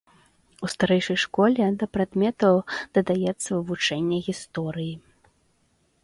У старэйшай школе да прадметаў дадаецца вывучэнне гісторыі.